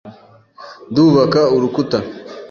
Ndubaka urukuta.